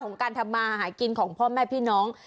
ของการทำมาหากินของพ่อแม่พี่น้อง